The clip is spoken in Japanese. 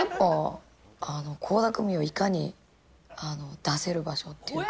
倖田來未をいかに出せる場所っていうか。